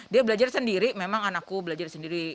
dia belajar sendiri memang anakku belajar sendiri